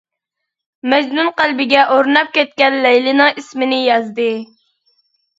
مەجنۇن قەلبىگە ئورناپ كەتكەن لەيلىنىڭ ئىسمىنى يازدى.